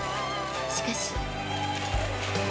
しかし。